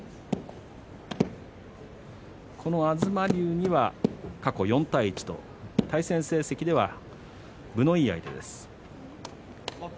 東龍には過去４対１と対戦成績では分のいい相手です。